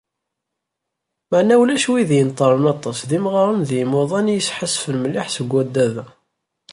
Meɛna ulac wid yenṭerren aṭas d imɣaren d yimuḍan i yesḥassfen mliḥ seg waddad-a.